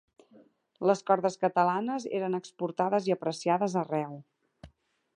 Les cordes catalanes eren exportades i apreciades arreu.